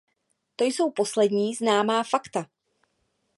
To jsou poslední známá fakta.